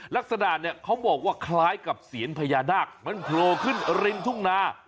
ลักษณะเนี่ยเขาบอกว่าคล้ายกับเสียญพญานาคมันโผล่ขึ้นริมทุ่งนา